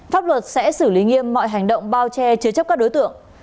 pháp luật sẽ xử lý nghiêm mọi hành động bao che chứa chấp các đối tượng